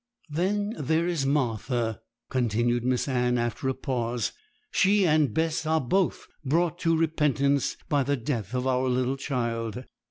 'Then there is Martha,' continued Miss Anne, after a pause; 'she and Bess are both brought to repentance by the death of our little child.